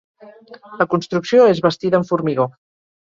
La construcció és bastida amb formigó.